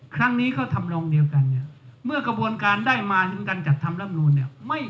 ครั้งนี้ก็ทำนองเดียวกันเนี่ยเมื่อกระบวนการได้มาถึงการจัดทำร่ำนูนเนี่ย